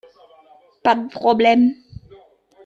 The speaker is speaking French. Pas de problème.